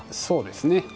そうですね。